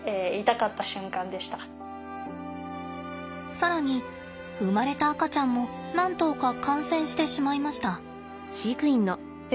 さらに生まれた赤ちゃんも何頭か感染してしまいました。